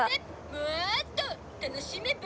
「もっと楽しめば？」